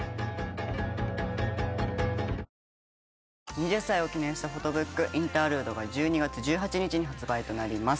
２０歳を記念したフォトブック『Ｉｎｔｅｒｌｕｄｅ』が１２月１８日に発売となります。